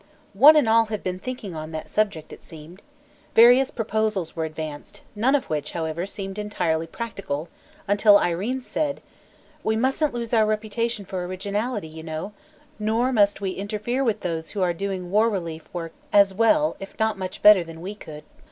One and all had been thinking on that subject, it seemed. Various proposals were advanced, none of which, however, seemed entirely practical until Irene said: "We mustn't lose our reputation for originality, you know, nor must we interfere with those who are doing war relief work as well, if not much better, than we could.